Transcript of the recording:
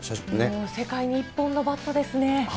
世界に一本のバットですね。